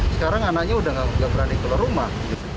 sekarang anaknya sudah tidak berani keluar rumah